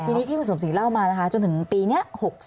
ทีนี้ที่คุณสมศรีเล่ามานะคะจนถึงปีนี้๖๓